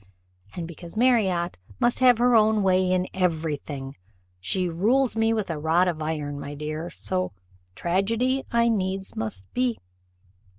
And because Marriott must have her own way in every thing she rules me with a rod of iron, my dear, so tragedy I needs must be.